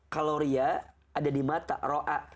kalau riya ada di mata ro'a